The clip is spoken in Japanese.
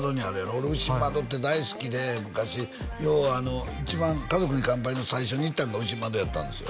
俺牛窓って大好きで昔よう一番「家族に乾杯」の最初に行ったんが牛窓やったんですよ